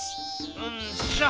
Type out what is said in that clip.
うんしょ！